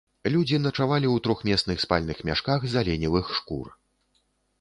Людзі начавалі ў трохмесных спальных мяшках з аленевых шкур.